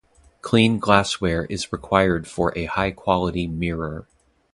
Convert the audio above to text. Clean glassware is required for a high quality mirror.